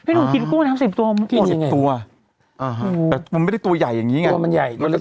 พี่หนุ่มกินกุ้งแม่น้ำ๑๐ตัว๑๐ตัวแต่มันไม่ได้ตัวใหญ่อย่างนี้ไง